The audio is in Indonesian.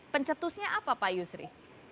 pencetusnya apa pak yusri